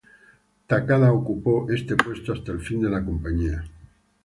Takada ocupó este puesto hasta el fin de la compañía.